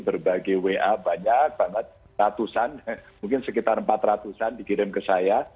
berbagai wa banyak banget ratusan mungkin sekitar empat ratus an dikirim ke saya